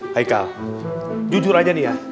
haikal jujur aja nih ya